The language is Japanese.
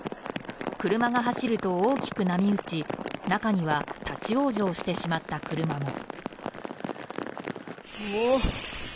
車が走ると大きく波打ち中には立ち往生してしまった車も。